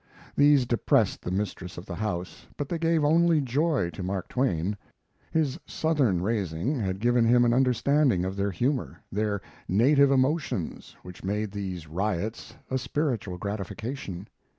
These depressed the mistress of the house, but they gave only joy to Mark Twain. His Southern raising had given him an understanding of their humors, their native emotions which made these riots a spiritual gratification.